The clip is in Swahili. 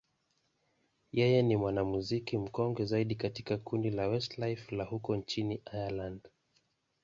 yeye ni mwanamuziki mkongwe zaidi katika kundi la Westlife la huko nchini Ireland.